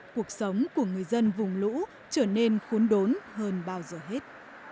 cuộc sống của người dân vùng lũ trở nên khốn đốn hơn bao giờ hết